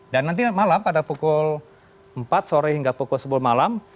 dan nanti malam pada pukul empat sore hingga pukul sepuluh malam